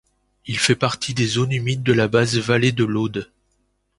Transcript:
Il fait partie des zones humides de la basse vallée de l'Aude.